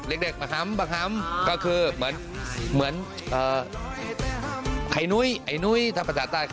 เล็กเล็กห่ำห่ำก็คือเหมือนเหมือนเอ่อไอหนุ้ยไอหนุ้ยท่านประสาทศาสตร์